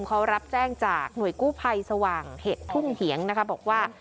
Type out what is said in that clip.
เขารับแจ้งจากหน่วยกู้ภัยสว่างเห็ดทุ่งเหียงนะคะบอกว่า